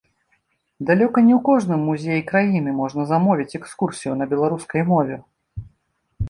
Далёка не ў кожным музеі краіны можна замовіць экскурсію на беларускай мове.